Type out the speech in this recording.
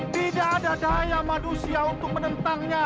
tidak ada daya manusia untuk menentangnya